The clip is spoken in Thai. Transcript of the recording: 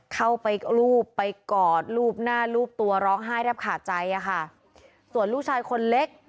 เข้าไปรูปไปกอดรูปหน้ารูปตัวร้องไห้แทบขาดใจอ่ะค่ะส่วนลูกชายคนเล็ก